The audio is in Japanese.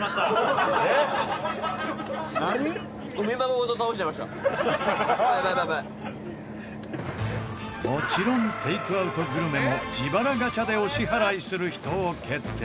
もちろんテイクアウトグルメも自腹ガチャでお支払いする人を決定